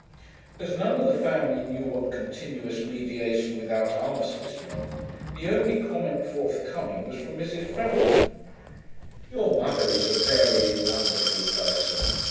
As none of the family knew what Continuous Mediation without Armistice meant, the only comment forthcoming was, from Mrs. Frampton, 'Your mother is a very wonderful person.